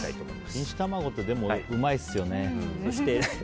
錦糸卵ってうまいですよね。